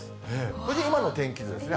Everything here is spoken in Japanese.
こちら、今の天気図ですね。